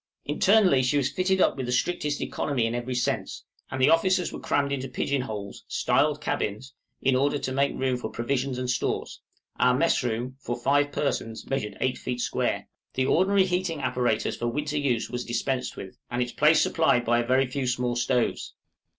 '} Internally she was fitted up with the strictest economy in every sense, and the officers were crammed into pigeon holes, styled cabins, in order to make room for provisions and stores; our mess room, for five persons, measured 8 feet square. The ordinary heating apparatus for winter use was dispensed with, and its place supplied by a few very small stoves.